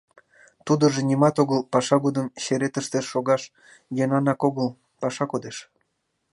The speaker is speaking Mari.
Тудыжо нимат огыл — паша годым черетыште шогаш йӧнанак огыл... паша кодеш...